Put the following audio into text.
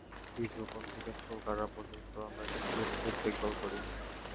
বীজ বপন থেকে ফসল কাটা পর্যন্ত আমরা কৃষকের খেত দেখভাল করি।